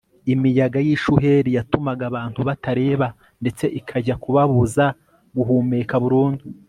imiyaga yishuheri yatumaga abantu batareba ndetse ikajya kubabuza guhumeka burundu